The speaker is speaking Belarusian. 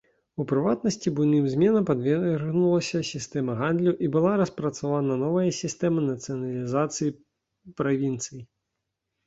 У прыватнасці, буйным зменам падвергнулася сістэма гандлю і была распрацавана новая сістэма нацыяналізацыі правінцый.